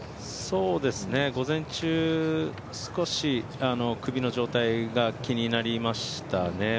午前中、少し首の状態が気になりましたね。